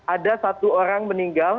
ada satu orang meninggal